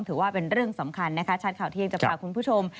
ถือว่าเป็นเรื่องสำคัญนะคะชัดข่าวเที่ยงจะพาคุณผู้ชม